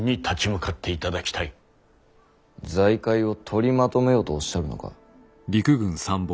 財界を取りまとめよとおっしゃるのか。